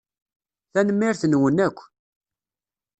Tanemmirt-nwen akk.